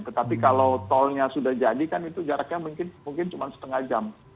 tetapi kalau tolnya sudah jadi kan itu jaraknya mungkin cuma setengah jam